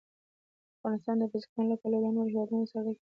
افغانستان د بزګان له پلوه له نورو هېوادونو سره اړیکې لري.